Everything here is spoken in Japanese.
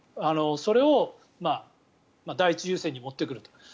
それを第一優先に持ってくると。